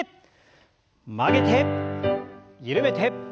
曲げて緩めて。